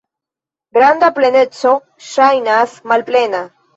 Granda pleneco ŝajnas malplena.